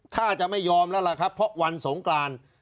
ค่าจะไม่ยอมแหละเพราะวันสงกราน